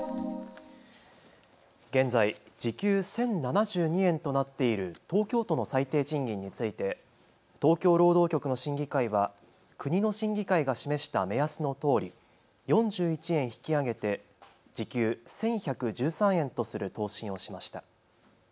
現在、時給１０７２円となっている東京都の最低賃金について東京労働局の審議会は国の審議会が示した目安のとおり４１円引き上げて時給１１１３円とする答申をしました。